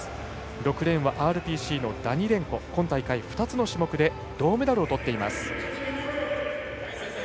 ６レーン、ＲＰＣのダニレンコ今大会２つの種目で銅メダル。